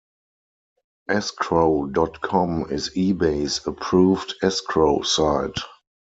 Escrow dot com is eBay's approved escrow site.